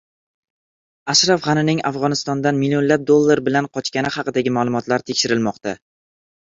Ashraf G‘anining Afg‘onistondan millionlab dollar bilan qochgani haqidagi ma’lumotlar tekshirilmoqda